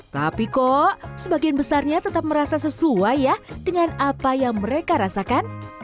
tapi kok sebagian besarnya tetap merasa sesuai ya dengan apa yang mereka rasakan